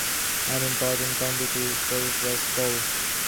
An important commodity it produced was coal.